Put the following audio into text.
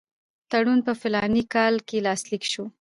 تړون په فلاني کال کې لاسلیک شو.